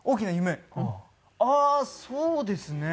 ああーそうですね。